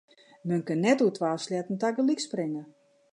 Men kin net oer twa sleatten tagelyk springe.